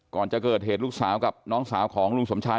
ก่อนจะเกิดเหตุลูกสาวกับน้องสาวของลุงสมชาย